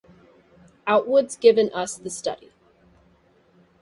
Outwood's given us the study.